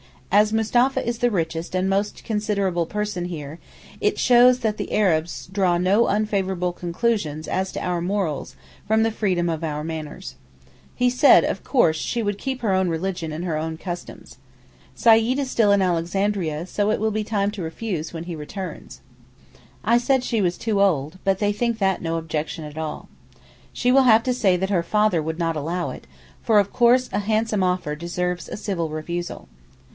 As Mustapha is the richest and most considerable person here, it shows that the Arabs draw no unfavourable conclusions as to our morals from the freedom of our manners. He said of course she would keep her own religion and her own customs. Seyyid is still in Alexandria, so it will be time to refuse when he returns. I said she was too old, but they think that no objection at all. She will have to say that her father would not allow it, for of course a handsome offer deserves a civil refusal.